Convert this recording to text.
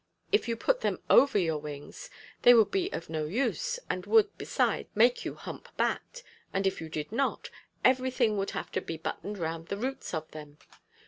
If you put them over your wings, they would be of no use, and would, besides, make you hump backed; and if you did not, everything would have to be buttoned round the roots of them.